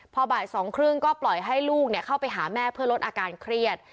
พอบ่าย๒๓๐ก็ปล่อยให้ลูกเข้าไปหาแม่เพื่อลดอาการเครียด